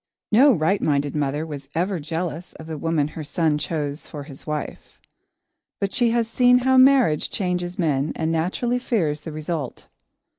No right minded mother was ever jealous of the woman her son chose for his wife. But she has seen how marriage changes men and naturally fears the result.